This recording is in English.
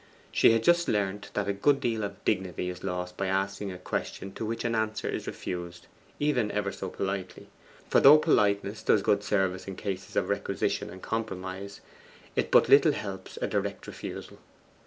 She had just learnt that a good deal of dignity is lost by asking a question to which an answer is refused, even ever so politely; for though politeness does good service in cases of requisition and compromise, it but little helps a direct refusal.